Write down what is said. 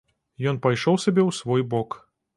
Ён пайшоў сабе ў свой бок.